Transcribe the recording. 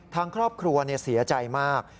ทางครอบครัวเสียใจมาก